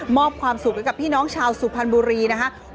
มอบความสุขกับพี่น้องชาวสุพรรบุรีนะคะ